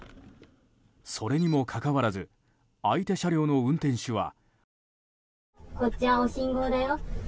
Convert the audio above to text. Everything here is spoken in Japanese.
それにもかかわらず相手車両の運転手は。